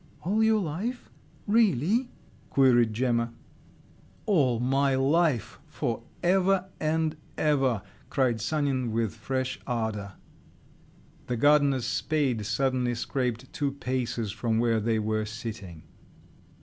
"All your life? Really?" queried Gemma. "All my life, for ever and ever!" cried Sanin with fresh ardour. The gardener's spade suddenly scraped two paces from where they were sitting.